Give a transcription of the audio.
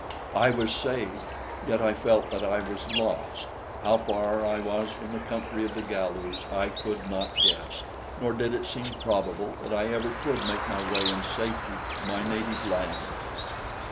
"I was saved; yet I felt that I was lost. How far I was from the country of the Galus I could not guess; nor did it seem probable that I ever could make my way in safety to my native land.